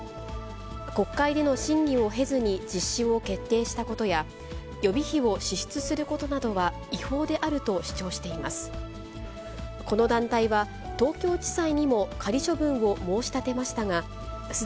国会での審議を経ずに実施を決定したことや、予備費を支出することなどは違法であると主張しています。